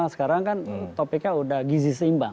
sekarang kan topiknya udah gizi seimbang